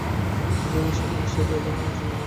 এই ধরনের শ্বাস-নিয়ন্ত্রণ আদৌ বিপজ্জনক নয়।